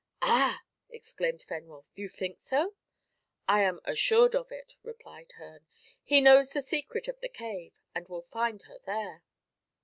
"Ah!" exclaimed Fenwolf, "think you so?" "I am assured of it," replied Herne. "He knows the secret of the cave, and will find her there."